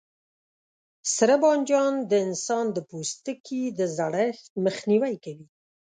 سره بانجان د انسان د پوستکي د زړښت مخنیوی کوي.